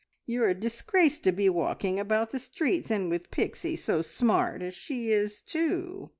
You're a disgrace to be walking about the streets, and with Pixie so smart as she is, too.